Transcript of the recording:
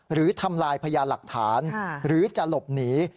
ทำลายพยานหลักฐานหรือจะหลบหนี